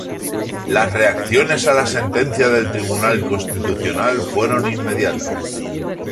Las reacciones a la sentencia del Tribunal Constitucional fueron inmediatas.